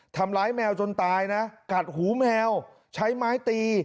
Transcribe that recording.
ทำร้ายแมวจนตายกัดหูแมวใช้ไม้ตี